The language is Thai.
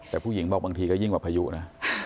แต่ผู้หญิงบอกบางทีก็ยิ่งกว่าพายุนะ